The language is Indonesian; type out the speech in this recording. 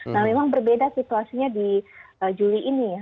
nah memang berbeda situasinya di juli ini ya